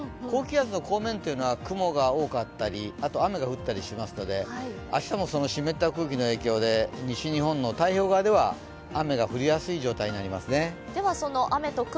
高気圧の後面は雲が多かったり、雨が降ったりしますので明日も湿った空気の影響で西日本の太平洋側では雨が降りやすい状態になりますね。